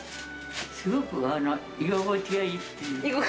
すごく居心地がいいっていうか。